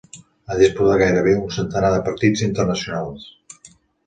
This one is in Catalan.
Ha disputat gairebé un centenar de partits internacionals.